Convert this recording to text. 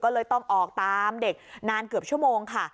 ก็เลยต้องออกตามเด็กนานเกือบชั่วโมงค่ะ